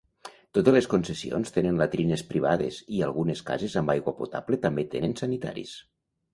Totes les concessions tenen latrines privades i algunes cases amb aigua potable també tenen sanitaris.